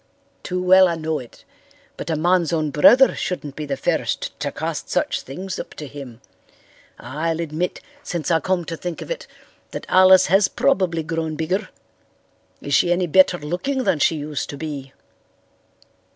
"Too well I know it, but a man's own brother shouldn't be the first to cast such things up to him. I'll admit, since I come to think of it, that Alice has probably grown bigger. Is she any better looking than she used to be?"